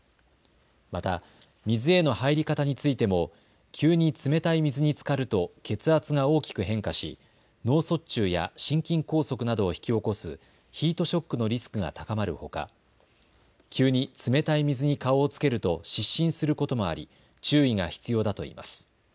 また水への入り方についても急に冷たい水につかると血圧が大きく変化し脳卒中や心筋梗塞などを引き起こすヒートショックのリスクが高まるほか急に冷たい水に顔をつけると失神することもあり注意が必要だといいます。